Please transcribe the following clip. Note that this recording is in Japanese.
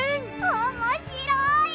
おもしろい！